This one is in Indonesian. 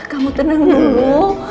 kamu tenang dulu